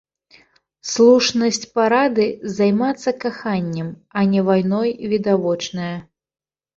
Слушнасць парады займацца каханнем, а не вайной відавочная.